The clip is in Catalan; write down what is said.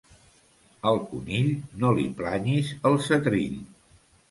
Al conill no li planyis el setrill.